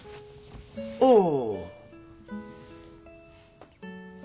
おう。